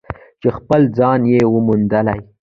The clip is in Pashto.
چې خپل ځای یې موندلی.